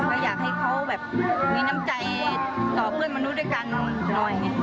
ก็อยากให้เขาแบบมีน้ำใจต่อเพื่อนมนุษย์ด้วยกันหน่อย